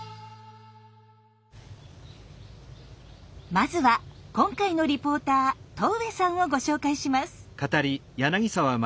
まずは今回のリポーター戸上さんをご紹介します。